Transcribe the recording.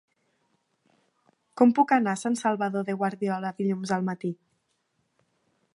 Com puc anar a Sant Salvador de Guardiola dilluns al matí?